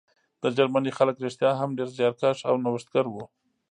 د جرمني خلک رښتیا هم ډېر زیارکښ او نوښتګر وو